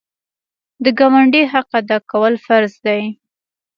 د ګاونډي حق ادا کول فرض دي.